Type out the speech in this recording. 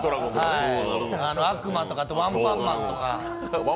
アクマとか「ワンパンマン」とか。